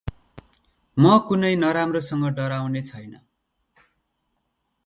म कुनै नराम्रोसँग डराउने छैन।